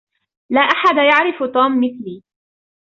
لا أحد يعرف توم مثلي.